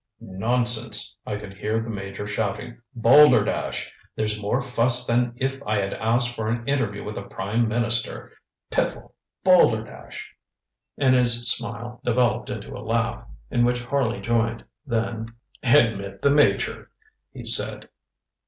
ŌĆ£Nonsense! ŌĆØ I could hear the Major shouting. ŌĆ£Balderdash! There's more fuss than if I had asked for an interview with the Prime Minister. Piffle! Balderdash! ŌĆØ Innes's smile developed into a laugh, in which Harley joined, then: ŌĆ£Admit the Major, ŌĆØ he said.